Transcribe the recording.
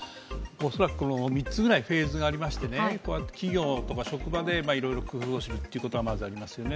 恐らく３つぐらいフェーズがありまして、企業とか職場でいろいろ工夫するということがまずありますよね。